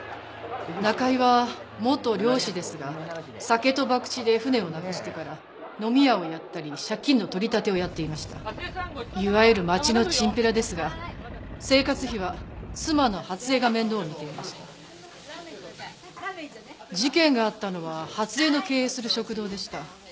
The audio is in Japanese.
中井は元漁師ですが酒とバクチで船をなくしてからノミ屋をやったり借金の取り立てをやっていましたいわゆる街のチンピラですが生活費は妻の初枝が面倒を見ていました事件があったのは初枝の経営する食堂でした